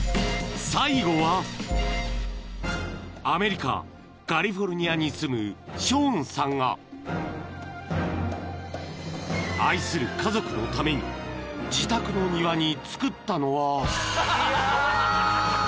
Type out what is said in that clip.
［アメリカカリフォルニアに住むショーンさんが愛する家族のために自宅の庭につくったのは］